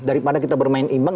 daripada kita bermain imbang